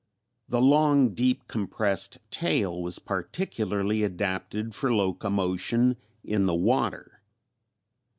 The long deep compressed tail was particularly adapted for locomotion in the water.